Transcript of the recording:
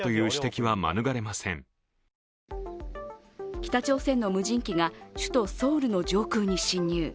北朝鮮の無人機が首都ソウルの上空に侵入。